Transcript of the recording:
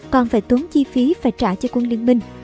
còn phải tốn chi phí và trả cho quân liên minh